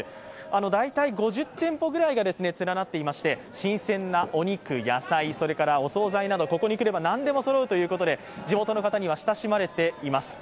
大体５０店舗が連なっていまして新鮮なお肉、野菜、お総菜などここに来れば何でもそろうということで地元の方には親しまれています。